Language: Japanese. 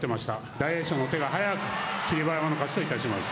大栄翔の手が早く霧馬山の勝ちといたします。